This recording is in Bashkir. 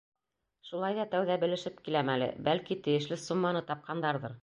— Шулай ҙа тәүҙә белешеп киләм әле, бәлки, тейешле сумманы тапҡандарҙыр.